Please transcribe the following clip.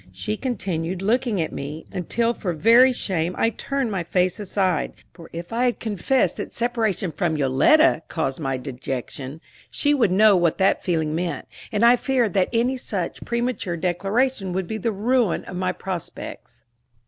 She continued looking at me, until for very shame I turned my face aside; for if I had confessed that separation from Yoletta caused my dejection, she would know what that feeling meant, and I feared that any such premature declaration would be the ruin of my prospects.